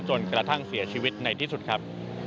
จนกระทั่งเสียชีวิตในที่สุดครับ